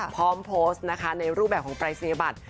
พร้อมโพสต์ในรูปแบบของปรายศนีย์อบัตร